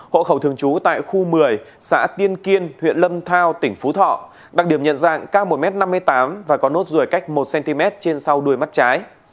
hộ khẩu thường trú tại khu một mươi xã tiên kiên huyện lâm thao tỉnh phú thọ đặc điểm nhận dạng cao một m năm mươi tám và có nốt ruồi cách một cm trên sau đuôi mắt trái